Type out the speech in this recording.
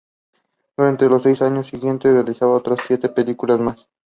He attended Umkomaas Drift Primary and Naidoo Memorial School.